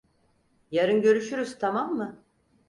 Yarın görüşürüz, tamam mı?